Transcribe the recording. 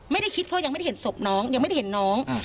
ไม่ได้คิดเพราะยังไม่ได้เห็นศพน้องยังไม่ได้เห็นน้อง